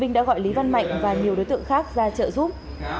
minh đã gọi lý văn mạnh và nhiều đối tượng khác ra trợ giúp